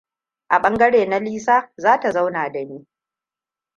A bangare na Lisa za ta zauna da ni.